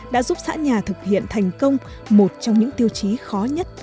đã giúp xã nhà thực hiện thành công một trong những tiêu chí khó nhất